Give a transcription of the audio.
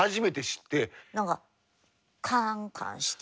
何かカンカンしてる。